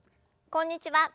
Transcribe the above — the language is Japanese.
こんにちは